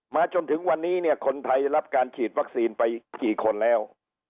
จนถึงวันนี้เนี่ยคนไทยรับการฉีดวัคซีนไปกี่คนแล้ว